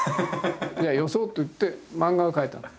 じゃあよそうといって漫画を描いた。